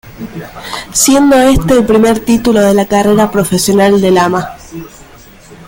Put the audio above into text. Siendo este el primer título de la carrera profesional de Lama.